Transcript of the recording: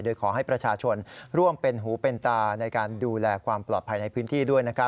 โดยขอให้ประชาชนร่วมเป็นหูเป็นตาในการดูแลความปลอดภัยในพื้นที่ด้วย